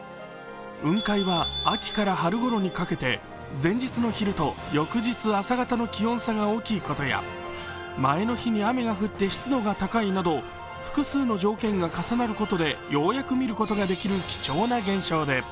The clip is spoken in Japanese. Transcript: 雲海は秋から春頃にかけて前日の夜と翌日朝方の気温差が大きいことや、前の日に雨が降って湿度が高いなど、複数の条件が重なることでようやく見ることができる貴重な現象です。